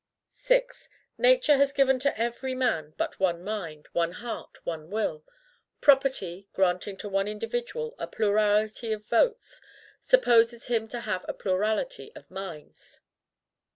6. Nature has given to every man but one mind, one heart, one will. Property, granting to one individual a plurality of votes, supposes him to have a plurality of minds.